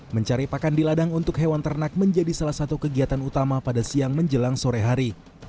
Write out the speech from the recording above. mencari pakan di ladang untuk hewan ternak menjadi salah satu kegiatan utama pada siang menjelang sore hari